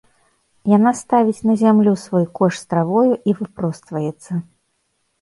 Яна ставіць на зямлю свой кош з травою і выпростваецца.